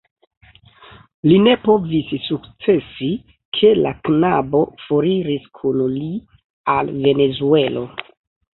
Li ne povis sukcesi, ke la knabo foriris kun li al Venezuelo.